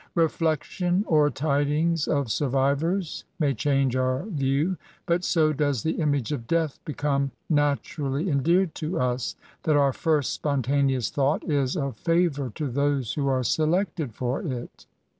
Beflection, or tidings of survivors may change our view; btit so does the image of Death become naturally en deared to lis, that our first spontaneous thought is of favour to those who are selected for it.